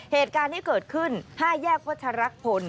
เหตุการณ์ที่เกิดขึ้น๕แยกวัชรพล